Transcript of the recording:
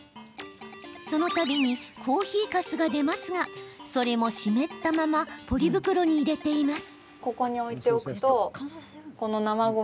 そのたびにコーヒーかすが出ますが、それも湿ったままポリ袋に入れています。